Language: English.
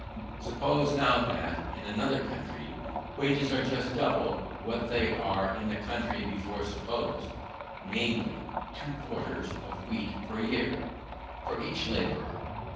Suppose now that, in another country, wages are just double what they are in the country before supposed; namely, two quarters of wheat per year, for each labourer.